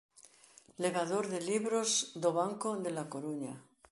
Levador de libros do Banco de La Coruña.